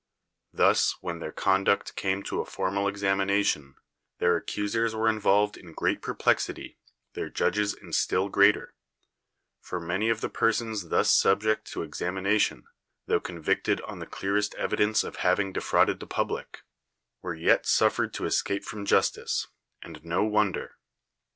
Thus, when their conduct came to a formal examination, their accusers were involved in great perplexity, their judges in still greater; for many of the persons thus subject to examination, tho con victed on the clearest evidence of having de frauded the public, were yet suffered to escape from justice; and no wonder.